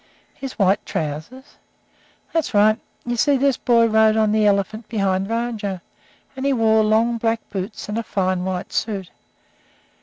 "His white trousers?" "That's right. You see, this boy rode on the elephant, behind Rajah, and he wore long black boots and a fine white suit.